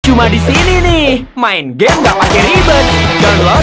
cuma disini nih main game gak pake ribet